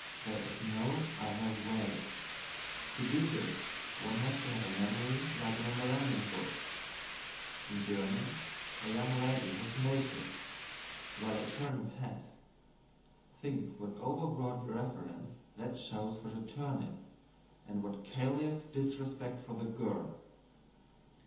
There is no other way. To do this one has to have a memory like a memorandum book. In German, a young lady has no sex, while a turnip has. Think what overwrought reverence that shows for the turnip, and what callous disrespect for the girl.